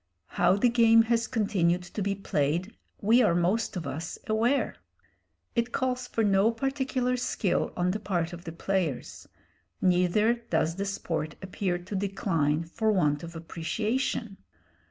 How the game has continued to be played we are most of us aware. It calls for no particular skill on the part of the players, neither does the sport appear to decline for want of appreciation.